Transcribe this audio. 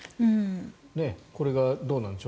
これがどうなんでしょう。